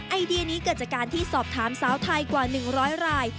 ไอเดียนี้เกิดจากการที่สอบถามสาวไทยกว่า๑๐๐ราย